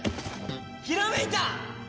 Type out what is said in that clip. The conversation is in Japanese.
ひらめいた！